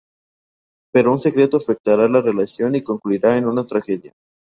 Pero un secreto afectará la relación y concluirá en una tragedia.